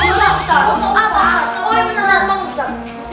oh iya beneran mau usah